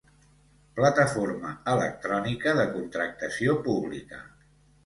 Plataforma electrònica de contractació pública.